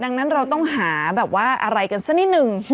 ดังนั้นเราต้องหาแบบว่าอะไรกันสักนิดนึง